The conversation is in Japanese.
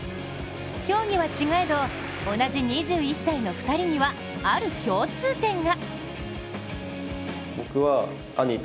競技は違えど、同じ２１歳の２人にはある共通点が。